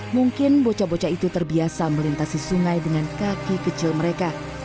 mungkin bocah bocah itu terbiasa melintasi sungai dengan kaki kecil mereka